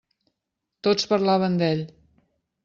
Tots parlaven d'ell.